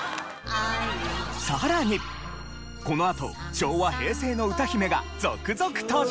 さらにこのあと昭和・平成の歌姫が続々登場！